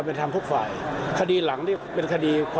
พตรพูดถึงเรื่องนี้ยังไงลองฟังกันหน่อยค่ะ